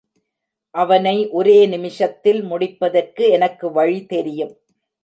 அவனை ஒரே நிமிஷத்தில் முடிப்பதற்கு எனக்கு வழி தெரியும்.